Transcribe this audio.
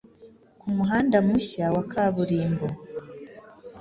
ku muhanda mushya wa kaburimbo